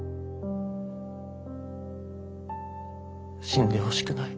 死んでほしくない。